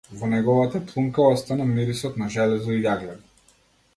Во неговата плунка остана мирисот на железо и јаглен.